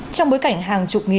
trong bối cảnh hàng chục nghìn người